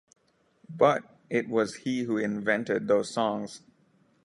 But It was he who invented those songs.